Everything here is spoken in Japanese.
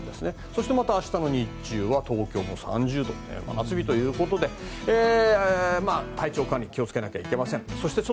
そして、また明日の日中は東京も３０度と真夏日ということで、体調管理気をつけなきゃいけません。